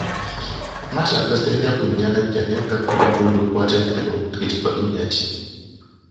Amaato agaseeyeeya ku nnyanja naye nga galiko olugoye olukwata empewo gayitibwa linnya ki?